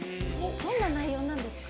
どんな内容なんですか？